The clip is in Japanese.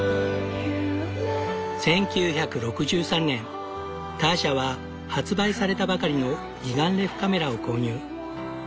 １９６３年ターシャは発売されたばかりの二眼レフカメラを購入。